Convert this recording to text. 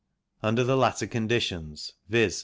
Under the latter conditions, viz.